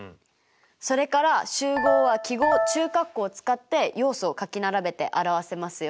それから集合は記号中括弧を使って要素を書き並べて表せますよ。